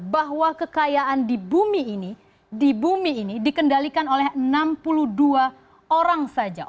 bahwa kekayaan di bumi ini dikendalikan oleh enam puluh dua orang saja